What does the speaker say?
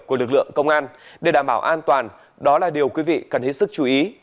của lực lượng công an để đảm bảo an toàn đó là điều quý vị cần hết sức chú ý